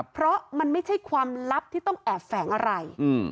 เพราะมันไม่ใช่ความลับที่ต้องแอบแฝงอะไร